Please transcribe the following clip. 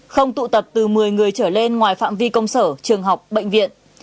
không tụ tập từ một mươi người trở lên ngoài phạm vi công sở trường học bệnh viện